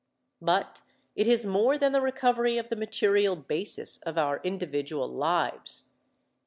But it is more than the recovery of the material basis of our individual lives.